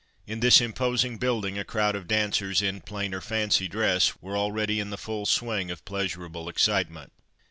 In this imposing building, a crowd of dancers in "plain or fancy" dress were already in the full swing of pleasurable excitement.